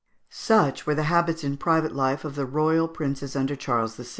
] Such were the habits in private life of the royal princes under Charles VI.